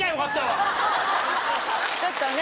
ちょっとね